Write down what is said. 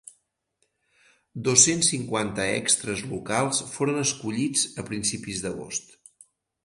Dos-cents cinquanta extres locals foren escollits a principis d'agost.